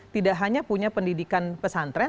tidak hanya punya pendidikan pesantren